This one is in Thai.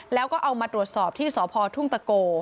แล้วก็เอามาตรวจสอบที่สพทุ่งตะโก